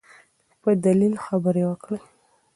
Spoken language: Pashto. په دلیل خبرې وکړئ.